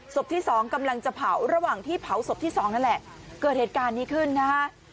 ที่สองกำลังจะเผาระหว่างที่เผาศพที่๒นั่นแหละเกิดเหตุการณ์นี้ขึ้นนะฮะ